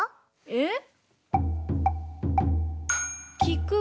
えっ！